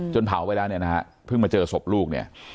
จนเผาไปแล้วเพิ่งมาเจอศพลูก